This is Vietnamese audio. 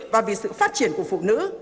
và về sự phát triển của phụ nữ